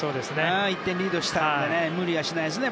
１点リードしたから無理はしないですね